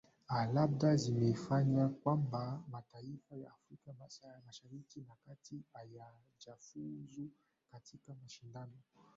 aa labda zimefanya kwamba mataifa ya afrika mashariki na kati hayajafuzu katika mashindano